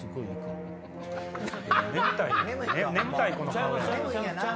眠たいん？